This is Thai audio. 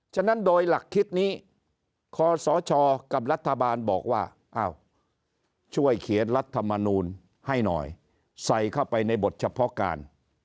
ฉะนั้นโดยหลักคิดนี้คศกับรัฐบาลบอกว่าอ้าวช่วยเขียนรัฐมนูลให้หน่อยใส่เข้าไปในบทเฉพาะการ